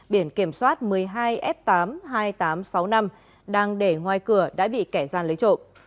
biển kiểm soát một mươi hai f tám mươi hai nghìn tám trăm sáu mươi năm đang để ngoài cửa đã bị kẻ gian lấy trộm